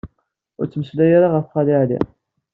Ur ttmeslay ara ɣef Xali Ɛli.